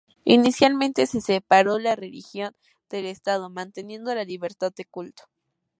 Inicialmente se separó la religión del Estado, manteniendo la libertad de culto.